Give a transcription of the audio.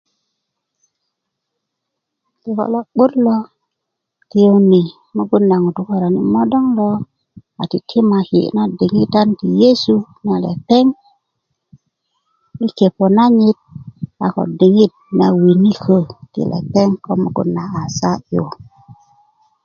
kikö lo'but lo tiyuni mugun na ŋutu worani a modong lo a titimaki na diŋitan ti yesu na lepeŋ i kepo nanyit a ko diŋit na winiko ti lepeŋ ko mugun na a sa'yu